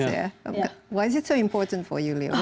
kenapa itu sangat penting untuk kamu leo